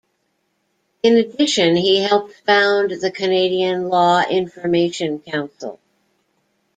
In addition, he helped found the Canadian Law Information Council.